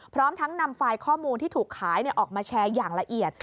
พร้อมทั้งนำไฟล์ข้อมูลที่ถูกขายออกมาแชร์อย่างละเอียด